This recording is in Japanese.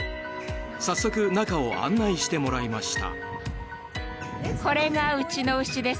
早速中を案内してもらいました。